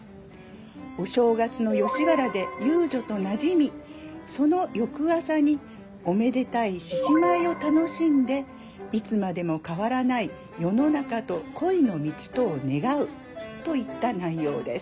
お正月の吉原で遊女となじみその翌朝におめでたい獅子舞を楽しんでいつまでも変わらない世の中と恋の道とを願うといった内容です。